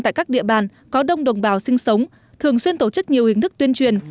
tại các địa bàn có đông đồng bào sinh sống thường xuyên tổ chức nhiều hình thức tuyên truyền